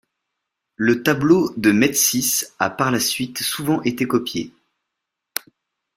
Le tableau de Metsys a par la suite souvent été copié.